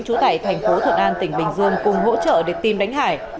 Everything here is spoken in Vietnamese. trú tại thành phố thuận an tỉnh bình dương cùng hỗ trợ để tìm đánh hải